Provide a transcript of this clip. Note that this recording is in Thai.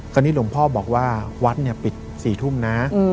ตอนนี้หลวงพ่อบอกว่าวัดเนี่ยปิด๔ทุ่มนะ